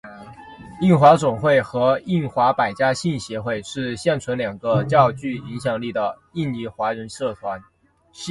印华总会和印华百家姓协会是现存两个较具影响力的印尼华人社团。